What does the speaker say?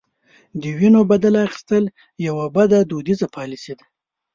د وینو بدل اخیستل یوه بده دودیزه پالیسي ده.